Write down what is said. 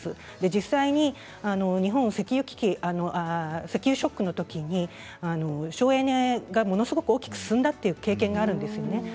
実際に、日本の石油危機石油ショックのときに省エネがものすごく大きく進んだ経験があるんですよね。